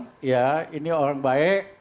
ibu siti ya ini orang baik